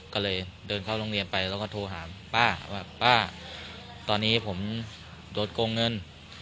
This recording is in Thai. ก็เลยเดินเข้าโรงเรียนไปแล้วก็โทรหาป้าว่าป้าตอนนี้ผมโดนโกงเงิน